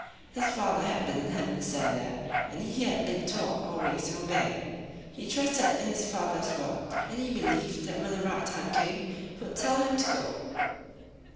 His father had bidden him stand there, and he had been taught always to obey. He trusted in his father's word, and be lieved that when the right time came he would tell him to go.